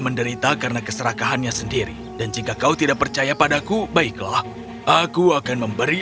menderita karena keserakahannya sendiri dan jika kau tidak percaya padaku baiklah aku akan memberi